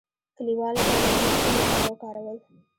کلیوالو دا لرګي د سون لپاره وکارول.